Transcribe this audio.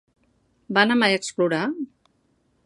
Va anar mai a explorar?